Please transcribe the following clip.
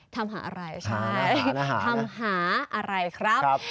ทำหาอะไรใช่ทำหาอะไรครับ